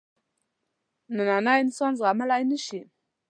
نننی انسان زغملای نه شي.